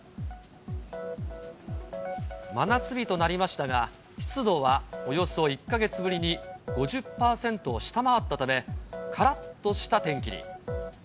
真夏日となりましたが、湿度はおよそ１か月ぶりに５０％を下回ったため、からっとした天気に。